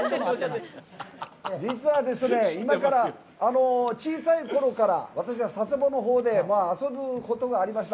実はですね、今から小さいころから私は佐世保のほうで遊ぶことがありました。